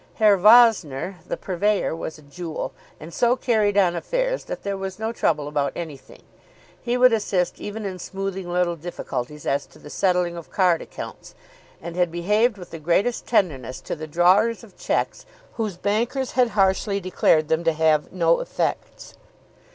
Herr Vossner, the purveyor, was a jewel, and so carried on affairs that there was no trouble about anything. He would assist even in smoothing little difficulties as to the settling of card accounts, and had behaved with the greatest tenderness to the drawers of cheques whose bankers had harshly declared them to have "no effects."